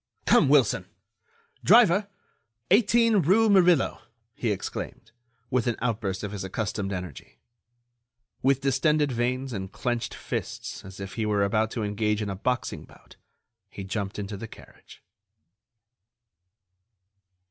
"Come, Wilson!... Driver, 18 rue Murillo!" he exclaimed, with an outburst of his accustomed energy. With distended veins and clenched fists, as if he were about to engage in a boxing bout, he jumped into the carriage.